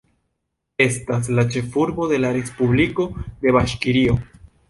Estas la ĉefurbo de la respubliko de Baŝkirio.